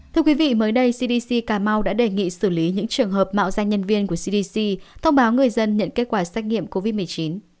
thưa quý vị mới đây cdc cà mau đã đề nghị xử lý những trường hợp mạo danh nhân viên của cdc thông báo người dân nhận kết quả xét nghiệm covid một mươi chín